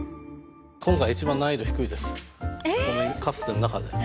今回一番難易度低いです。